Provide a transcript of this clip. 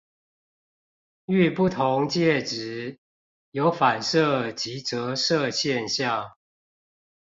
遇不同介質，有反射及折射現象